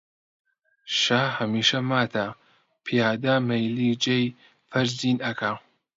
شا هەمیشە ماتە، پیادە مەیلی جێی فەرزین ئەکا